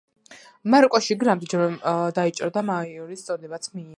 მაროკოში იგი რამდენიმეჯერ დაიჭრა და მაიორის წოდებაც მიიღო.